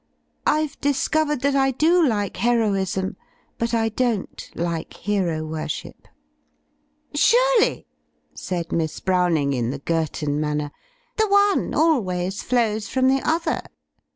I've discovered that I do like heroism, but I don't like hero worship." "Surely," said Miss Browning, in the Girton man ner, "the one always flows from the other."